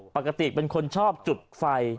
เป็นคนชอบจุดไฟ